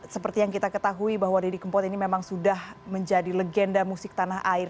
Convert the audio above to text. seperti yang kita ketahui bahwa didi kempot ini memang sudah menjadi legenda musik tanah air